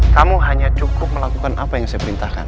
kamu hanya cukup melakukan apa yang saya perintahkan